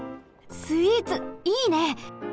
スイーツいいね！